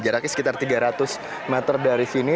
jaraknya sekitar tiga ratus meter dari sini